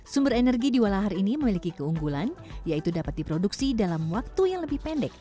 sumber energi di walahar ini memiliki keunggulan yaitu dapat diproduksi dalam waktu yang lebih pendek